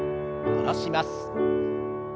下ろします。